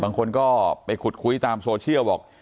บางคนก็ไปขุดคุยตามโซเชียลบอก